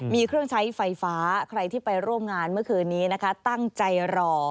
มีเครื่องใช้ไฟฟ้าใครที่ไปร่วมงานเมื่อคืนนี้นะคะตั้งใจรอ